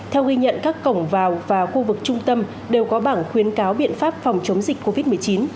theo ghi nhận các cổng vào và khu vực trung tâm đều có bảng khuyến cáo biện pháp phòng chống dịch covid một mươi chín